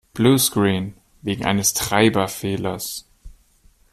Bluescreen. Wegen eines Treiberfehlers.